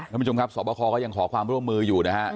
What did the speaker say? ท่านผู้ชมครับสวบคอก็ยังขอความร่วมมืออยู่นะฮะ